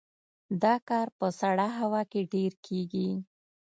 دا کار په سړه هوا کې ډیر کیږي